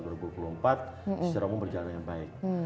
secara umum berjalan dengan baik